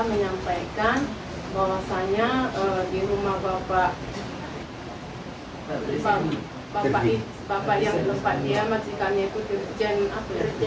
menyampaikan bahwasannya di rumah bapak